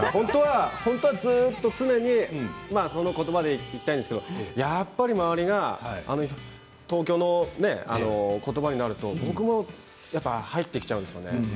本当は常にそのことばでいきたいんですけれどやっぱり周りが東京のことばになると僕もやっぱり入ってきちゃうんですよね。